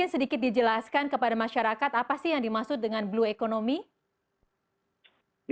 sedikit dijelaskan kepada masyarakat apa sih yang dimaksud dengan blue economy